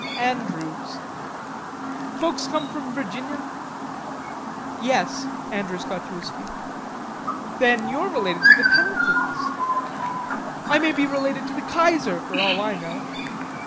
"Andrews." "Folks come from Virginia?" "Yes." Andrews got to his feet. "Then you're related to the Penneltons." "I may be related to the Kaiser for all I know."